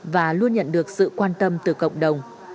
và luôn nhận được sự quan tâm từ cộng đồng